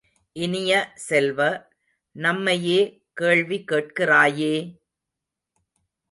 இனிய செல்வ, நம்மையே கேள்வி கேட்கிறாயே!